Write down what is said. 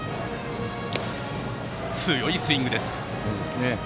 強いスイングです。